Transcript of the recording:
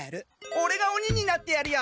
オレがおにになってやるよ！